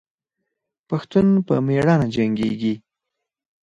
پښتون په میړانه جنګیږي.